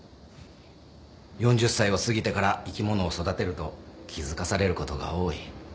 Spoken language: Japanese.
４０歳を過ぎてから生き物を育てると気付かされることが多い。